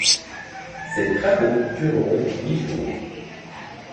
Ces travaux dureront huit jours.